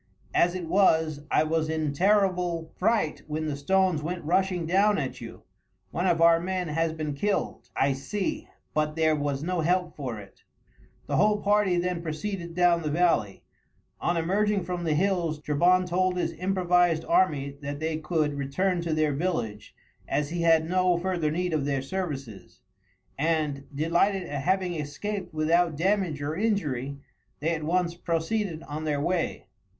As it was I was in terrible fright when the stones went rushing down at you. One of our men has been killed, I see; but there was no help for it." The whole party then proceeded down the valley. On emerging from the hills Trebon told his improvised army that they could return to their village, as he had no further need of their services, and, delighted at having escaped without damage or injury, they at once proceeded on their way.